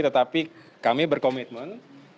tetapi kami berkomitmen